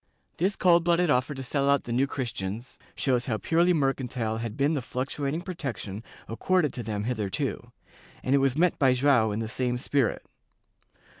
This cold blooded offer to sell out the New Christians shows how purely mercantile had been the fluctuating protection accorded to them hitherto, and it was met by Joao in the same spirit.